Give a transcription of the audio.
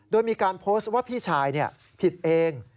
โดยมีการโพสต์ว่าพี่ชายผิดเอง